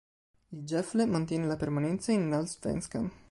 Il Gefle mantiene la permanenza in Allsvenskan.